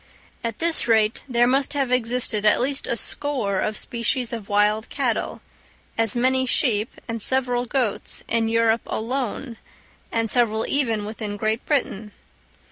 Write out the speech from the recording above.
At this rate there must have existed at least a score of species of wild cattle, as many sheep, and several goats, in Europe alone, and several even within Great Britain.